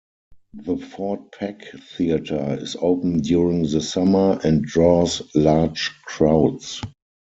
The Fort Peck Theater is open during the summer and draws large crowds.